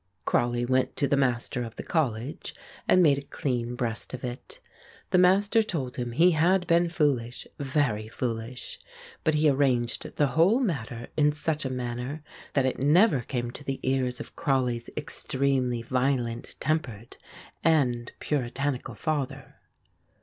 Crawley went to the Master of the college and made a clean breast of it. The Master told him he had been foolish very foolish; but he arranged the whole matter in such a manner that it never came to the ears of Crawley's extremely violent tempered and puritanical father.